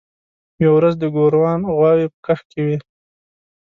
یوه ورځ د ګوروان غواوې په کښت کې وې.